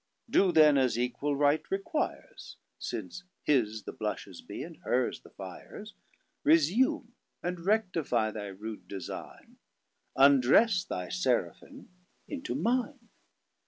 Doe then as equall right requires, Since His the blushes be, and her's the fires, Resume and rectify thy rude design; Undresse thy Seraphim into Mine.